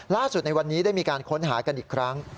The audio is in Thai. ในวันนี้ได้มีการค้นหากันอีกครั้ง